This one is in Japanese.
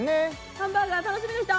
ハンバーガー楽しみな人？